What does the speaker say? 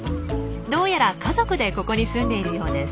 どうやら家族でここに住んでいるようです。